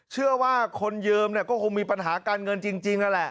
ถ้าคนเยิมก็คงมีปัญหาการเงินจริง